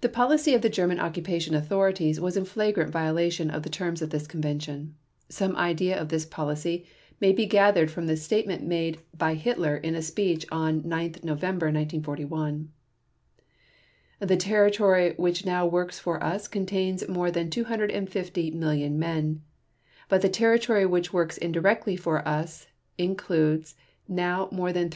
The policy of the German occupation authorities was in flagrant violation of the terms of this convention. Some idea of this policy may be gathered from the statement made by Hitler in a speech on 9 November 1941: "The territory which now works for us contains more than 250,000,000 men, but the territory which works indirectly for us includes now more than 350,000,000.